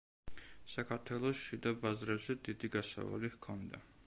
საქართველოს შიდა ბაზრებზე დიდი გასავალი ჰქონდა.